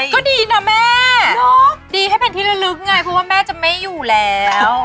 ก็ดีนะแม่ดีให้เป็นที่ละลึกไงเพราะว่าแม่จะไม่อยู่แล้ว